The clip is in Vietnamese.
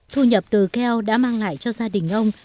thu nhập từ keo đã mang lại cho gia đình ông